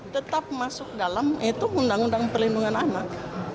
tetap masuk dalam itu undang undang perlindungan anak